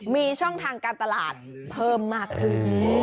มีช่องทางการตลาดเพิ่มมากขึ้น